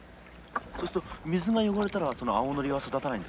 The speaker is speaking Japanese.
そうすると水が汚れたらその青ノリは育たないんですか？